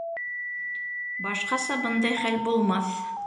Башҡаса бындай хәл булмаҫ!